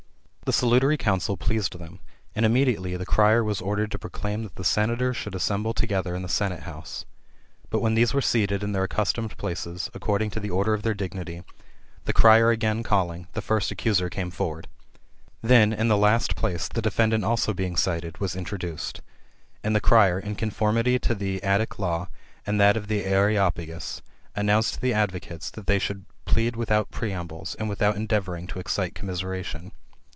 The salutary counsel pleased them ; and immediately the crier was ordered to proclaim that the senators should assemble together in the senate house. But when these were seated in their accustomed places, according to the order of their dignity, the crier again calling, the first accuser came forward Then, in the last place, the defendant also being cited, was introduced. And the crier, in conformity to the Attic law, and that of the Areopagus, announced to the advocates, that they should plead without preambles, and without endeavouring to excite com miseration.